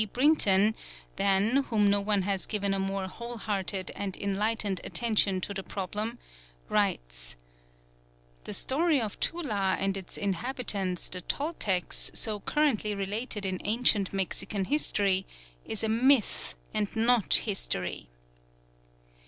Brinton, than whom no one has given a more wholehearted and enlightened attention to the problem, writes: "The story of Tula and its inhabitants the Toltecs, so currently related in ancient Mexican history, is a myth and not history."